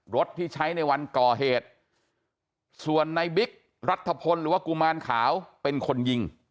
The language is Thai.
รถที่ใช้ในวันก่อเหตุส่วนในบิ๊กรัฐพลหรือว่ากุมารขาวเป็นคนยิง